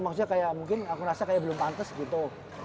maksudnya kayak mungkin aku rasa kayak belum pantes gitu